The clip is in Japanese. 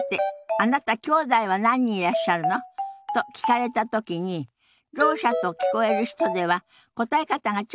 「あなたきょうだいは何人いらっしゃるの？」と聞かれた時にろう者と聞こえる人では答え方がちょっと違うようですよ。